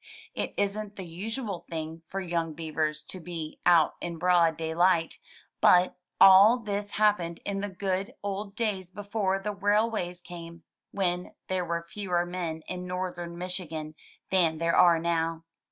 It isn't the usual thing for young beavers to be out in broad daylight, but all this happened in the good old days before the railways came, when there were fewer men in northern Michigan than there are now.